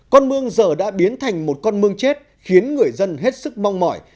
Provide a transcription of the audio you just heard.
con mương giờ đã biến thành một con mương chết khiến người dân hết sức mong mỏi